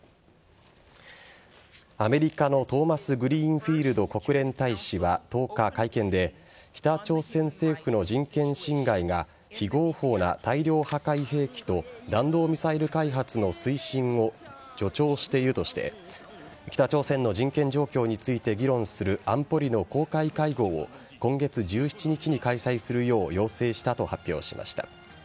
アメリカのトーマスグリーンフィールド国連大使は１０日、会見で北朝鮮政府の人権侵害が非合法な大量破壊兵器と弾道ミサイル開発の推進を助長しているとして北朝鮮の人権状況について議論する安保理の公開会合を今月１７日に開催するよう要請したと発表しました。